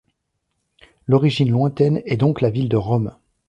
L'origine lointaine est donc la ville de Rome.